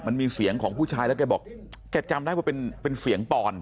มันมีเสียงของผู้ชายแล้วแกบอกแกจำได้ว่าเป็นเป็นเสียงปอน